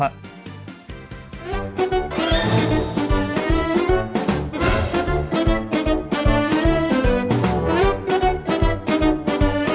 ท้าย